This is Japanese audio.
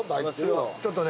ちょっとね